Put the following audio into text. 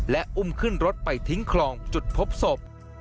และอุ้มขึ้นรถไปทิ้งคลองจุดพบศพ